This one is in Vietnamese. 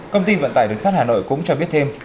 công ty vận tải đường sát hà nội cũng cho biết thêm